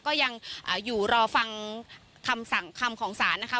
ก็ยังอยู่รอฟังคำของสารนะคะ